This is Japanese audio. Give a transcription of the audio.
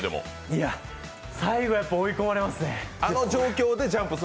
いや、最後、やっぱ追い込まれますね。